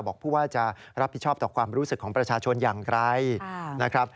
ผู้ว่าจะรับผิดชอบต่อความรู้สึกของประชาชนอย่างไรนะครับ